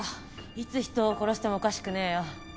いつ人を殺してもおかしくねえよ。